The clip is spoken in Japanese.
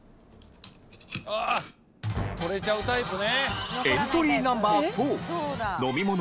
ああ取れちゃうタイプね。